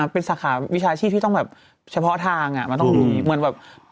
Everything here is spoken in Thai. เป็นสารวิชาชีพที่ต้องแบบเฉพาะทางต้องมี